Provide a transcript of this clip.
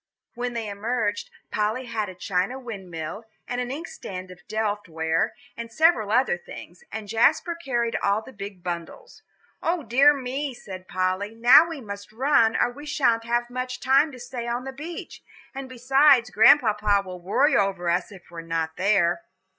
When they emerged, Polly had a china windmill, and an inkstand of Delft ware, and several other things, and Jasper carried all the big bundles. "O dear me," said Polly, "now we must run, or we sha'n't have much time to stay on the beach; and besides, Grandpapa will worry over us if we're not there."